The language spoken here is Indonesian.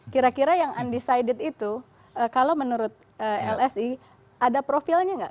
kira kira yang undecided itu kalau menurut lsi ada profilnya nggak